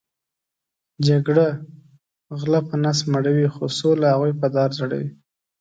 جګړه غلۀ په نس مړؤی خو سوله هغوې په دار ځړؤی